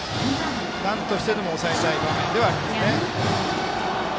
なんとしてでも抑えたい場面ではありますね。